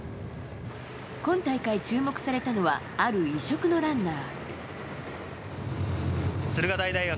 今大会注目されたのはある異色のランナー。